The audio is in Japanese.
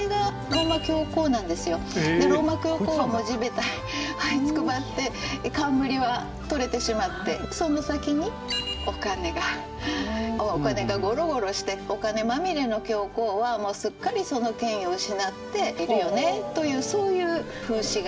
でローマ教皇は地べたにはいつくばって冠は取れてしまってその先にお金がお金がゴロゴロしてお金まみれの教皇はもうすっかりその権威を失っているよねというそういう風刺画。